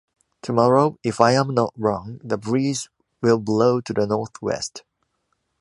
Tomorrow, if i am not wrong, the breeze will blow to the north-west.